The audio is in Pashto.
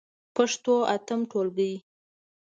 پښتو اتم ټولګی.